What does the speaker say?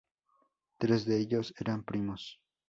Tres de ellos eran primos.